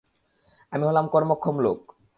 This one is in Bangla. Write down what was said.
আমি হলাম কর্মক্ষম লোক!